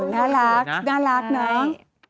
น่ารักน่ารักน้อง